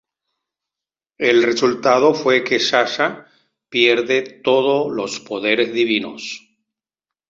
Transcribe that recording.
El resultado fue que Sasha pierde todos los poderes divinos.